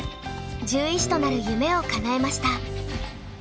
獣医師となる夢をかなえました。